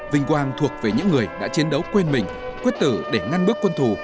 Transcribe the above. vinh quang thuộc về những người đã chiến đấu quên mình quyết tử để ngăn bước quân thù